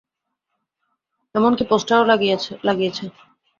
এমনকি পোস্টার ও লাগিয়েছে।